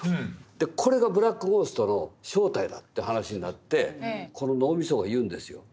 でこれがブラック・ゴーストの正体だって話になってこの脳みそが言うんですよ。